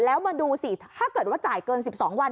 แล้วมาดูสิถ้าเกิดว่าจ่ายเกิน๑๒วัน